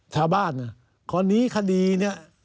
ชาวบ้านเนี่ยคราวนี้คดีเนี่ย